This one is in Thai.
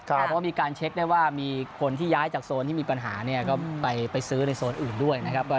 เพราะว่ามีการเช็คได้ว่ามีคนที่ย้ายจากโซนที่มีปัญหาเนี่ยก็ไปซื้อในโซนอื่นด้วยนะครับ